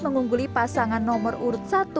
mengungguli pasangan nomor urut satu